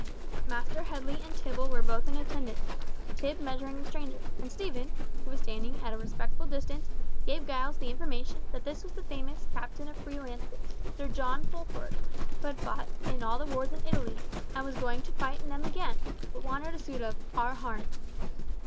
Master Headley and Tibble were both in attendance, Tib measuring the stranger, and Stephen, who was standing at a respectful distance, gave Giles the information that this was the famous Captain of Free lances, Sir John Fulford, who had fought in all the wars in Italy, and was going to fight in them again, but wanted a suit of "our harness."